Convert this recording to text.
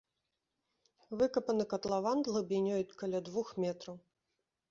Выкапаны катлаван глыбінёй каля двух метраў.